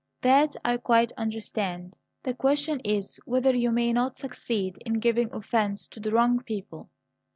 "That I quite understand. The question is whether you may not succeed in giving offence to the wrong people."